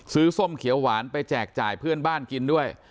ส้มเขียวหวานไปแจกจ่ายเพื่อนบ้านกินด้วย